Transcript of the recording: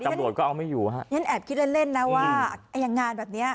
ตำรวจก็เอาไม่อยู่ฮะฉันแอบคิดเล่นเล่นนะว่าไอ้อย่างงานแบบเนี้ย